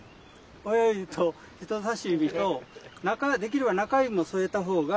親指と人さし指とできれば中指も添えたほうが安定します。